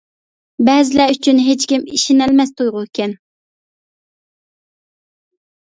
بەزىلەر ئۈچۈن ھېچكىم ئىشىنەلمەس تۇيغۇ ئىكەن.